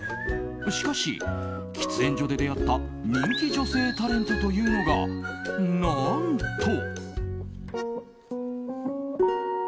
しかし、喫煙所で出会った人気女性タレントというのが何と。